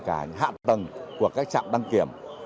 cả hạ tầng của các trạm đăng kiểm